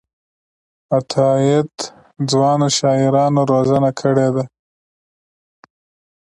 عطاييد ځوانو شاعرانو روزنه کړې ده.